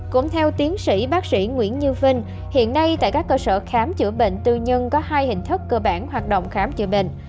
cũng theo tiến sĩ bác sĩ nguyễn như vinh hiện nay tại các cơ sở khám chữa bệnh tư nhân có hai hình thức cơ bản hoạt động khám chữa bệnh